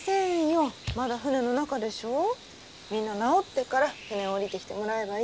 みんな治ってから船降りてきてもらえばいいじゃない。